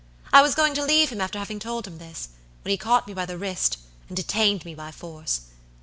I was going to leave him after having told him this, when he caught me by the wrist and detained me by force.